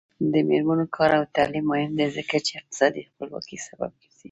د میرمنو کار او تعلیم مهم دی ځکه چې اقتصادي خپلواکۍ سبب ګرځي.